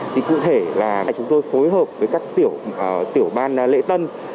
thì cụ thể là chúng tôi phối hợp với các tiểu ban lễ tân